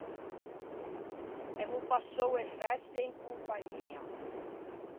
Emmo passou e feste in compagnia.